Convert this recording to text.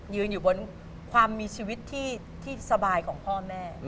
อยู่บนความมีชีวิตที่สบายของพ่อแม่